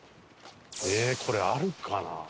ええこれあるかな？